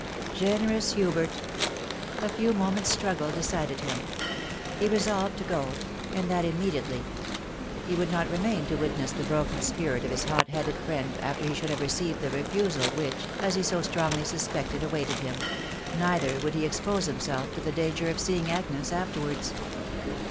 Generous Hubert !.... A few moment's struggle decided him. He resolved to go, and that immediately. He would not remain to witness the broken spirit of his hot headed friend after he should have received the refusal which, as he so strongly suspected, awaited him, .... neither would he ex pose himself to the danger of seeing Agnes afterwards.